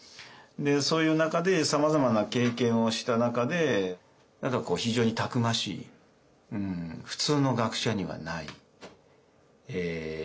そういう中でさまざまな経験をした中で何かこう非常にたくましい普通の学者にはないえ